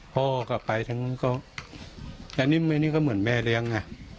พ่อกลับไปทั้งก็แต่นี่ก็เหมือนแม่เลี้ยงไง